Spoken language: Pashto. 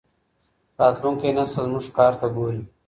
راتلونکی نسل زموږ کار ته ګوري.